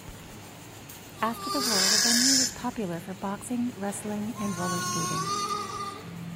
After the war, the venue was popular for boxing, wrestling and roller skating.